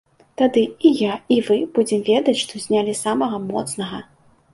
Тады і я, і вы будзем ведаць, што знялі самага моцнага.